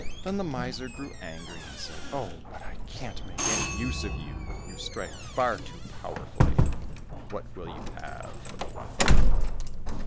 Then the miser grew angry, and said, "Oh, but I can't make any use of you, you strike far too powerfully; what will you have for the one blow?"